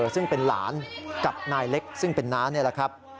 ซึ่งเป็นหลานกับนายเล็กซึ่งเป็นน้านี่แหละครับ